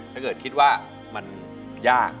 ถ้าเกิดคิดว่ามันยาก